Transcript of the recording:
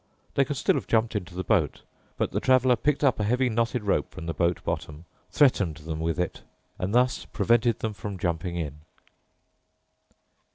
They could still have jumped into the boat, but the Traveler picked up a heavy knotted rope from the boat bottom, threatened them with it, and thus prevented them from jumping in.